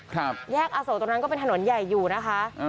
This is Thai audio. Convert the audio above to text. แยกอโศกตรงนั้นก็เป็นถนนใหญ่อยู่นะคะอ่า